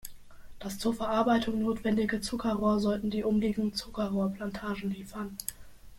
Das zur Verarbeitung notwendige Zuckerrohr sollten die umliegenden Zuckerrohrplantagen liefern.